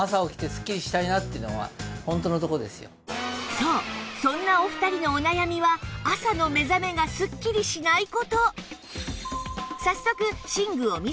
そうそんなお二人のお悩みは朝の目覚めがスッキリしない事